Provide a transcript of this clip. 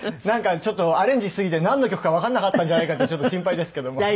なんかちょっとアレンジしすぎてなんの曲かわからなかったんじゃないかって心配ですけども。